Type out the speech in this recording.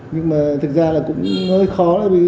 nhưng mà thực ra là cũng hơi khó